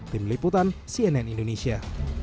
tim liputan cnn indonesia